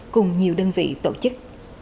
cùng nhiều đơn vị tổ chức